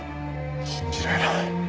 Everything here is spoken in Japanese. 信じられない。